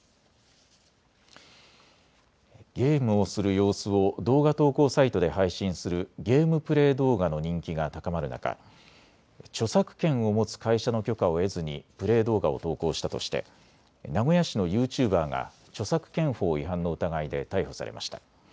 ゲームをする様子を動画投稿サイトで配信するゲームプレー動画の人気が高まる中、著作権を持つ会社の許可を得ずにプレー動画を投稿したとして名古屋市のユーチューバーが著作権法違反の疑いで逮捕されました。